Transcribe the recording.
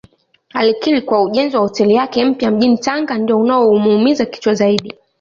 Alikiri kuwa ujenzi wa hoteli yake mpya mjini Tanga ndio unaomuumiza kichwa zaidi